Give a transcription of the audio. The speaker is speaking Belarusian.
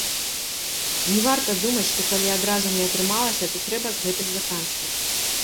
Не варта думаць, што калі адразу не атрымалася, то трэба з гэтым заканчваць.